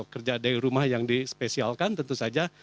kerja dari rumah yang dispesialkan tentu saja